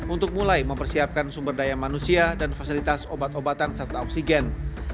untuk mulai mempersiapkan sumber daya manusia dan fasilitas obat obatan serta oksigen